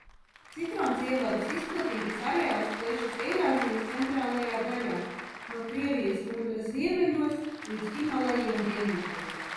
Citroncielavas izplatības areāls plešas Eirāzijas centrālajā daļā, no Krievijas tundras ziemeļos līdz Himalajiem dienvidos.